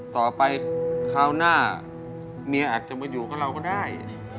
คราวหน้าเมียอาจจะมาอยู่กับเราก็ได้